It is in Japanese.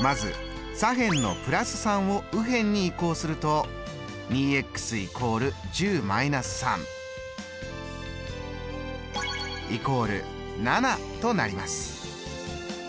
まず左辺の＋３を右辺に移項すると２＝１０−３＝７となります。